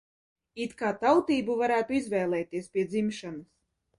It kā tautību varētu izvēlēties pie dzimšanas.